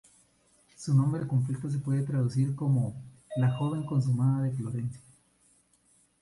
Su nombre completo se puede traducir como "la joven consumada de Florencia".